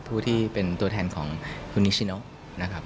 ผู้ที่เป็นตัวแทนของคุณนิชิโนนะครับ